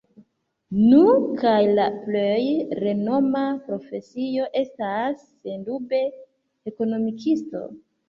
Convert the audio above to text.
Nu, kaj la plej renoma profesio estas, sendube, Ekonomikisto.